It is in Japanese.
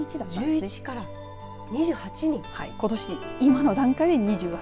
１１から２８にことし今の段階で２８。